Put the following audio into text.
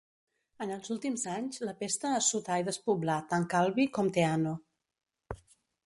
En els últims anys la pesta assotà i despoblà tant Calvi com Teano.